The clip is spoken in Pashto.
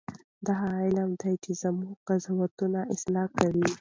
دا هغه علم دی چې زموږ قضاوتونه اصلاح کوي.